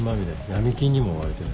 ヤミ金にも追われてる。